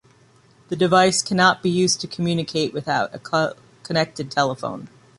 The device cannot be used to communicate without a connected telephone.